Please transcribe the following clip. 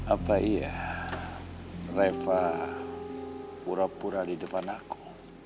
apa iya reva pura pura di depan aku